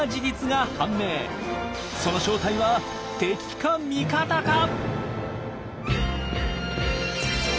その正体は敵か味方か？